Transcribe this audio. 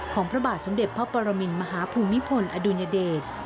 พระบาทสมเด็จพระปรมินมหาภูมิพลอดุญเดช